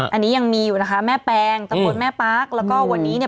อันนี้ยังมีอยู่นะคะแม่แปงตำบลแม่ปาร์คแล้วก็วันนี้เนี่ย